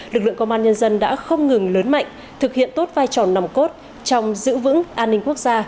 lực lượng công an nhân dân đã không ngừng lớn mạnh thực hiện tốt vai trò nằm cốt trong giữ vững an ninh quốc gia